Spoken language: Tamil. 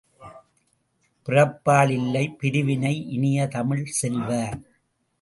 பிறப்பால் இல்லை பிரிவினை இனிய தமிழ்ச் செல்வ!